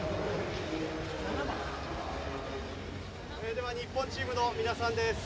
では、日本チームの皆さんです。